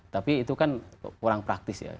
tapi itu kan kurang praktis ya